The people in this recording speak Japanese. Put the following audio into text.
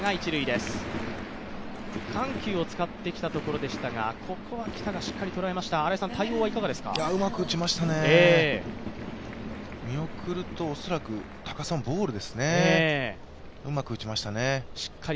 緩急を使ってきたところでしたがここは喜多がしっかり捉えました対応はいかがでしたか？